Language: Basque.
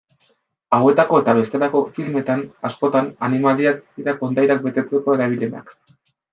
Hauetako eta bestelako filmetan, askotan animaliak dira kondairak betetzeko erabilienak.